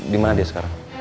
dimana dia sekarang